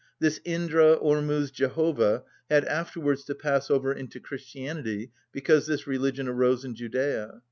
This Indra‐Ormuzd‐Jehovah had afterwards to pass over into Christianity, because this religion arose in Judæa.